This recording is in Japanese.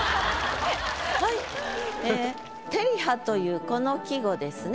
ええ「照葉」というこの季語ですね。